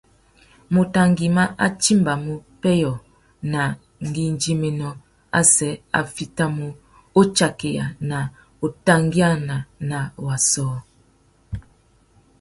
Mutu ngüimá a timbamú pêyô na ngüidjiménô azê a fitimú utsakeya na utangüiana na wa sôō.